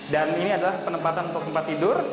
dan ini adalah penempatan untuk tempat tidur